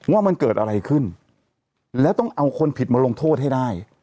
ว่ามันเกิดอะไรขึ้นแล้วต้องเอาคนผิดมาลงโทษให้ได้